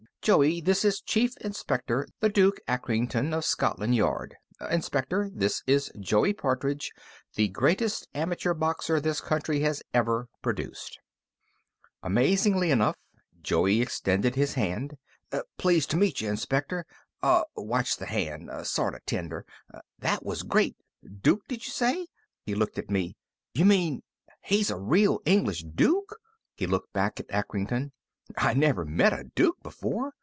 "Joey, this is Chief Inspector the Duke Acrington, of Scotland Yard. Inspector, this is Joey Partridge, the greatest amateur boxer this country has ever produced." Amazingly enough, Joey extended his hand. "Pleased t'meetcha, Inspector! Uh watch the hand. Sorta tender. That was great! Duke, did you say?" He looked at me. "You mean he's a real English Duke?" He looked back at Acrington. "I never met a Duke before!"